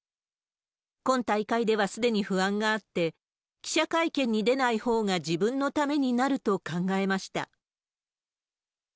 今大会ではすでに不安があって、記者会見に出ないほうが自分のためになると考えました。